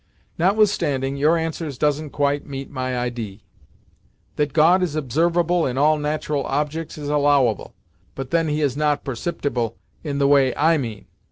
Notwithstanding, your answers doesn't quite meet my idee. That God is observable in all nat'ral objects is allowable, but then he is not perceptible in the way I mean.